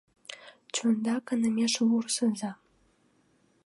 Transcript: Чонда канымеш вурсыза.